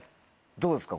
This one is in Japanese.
どうですか？